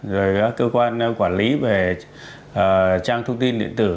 rồi các cơ quan quản lý về trang thông tin điện tử